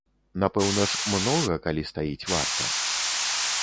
Напэўна ж, многа, калі стаіць варта.